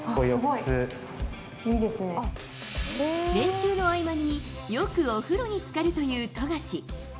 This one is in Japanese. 練習の合間によくお風呂に浸かるという富樫。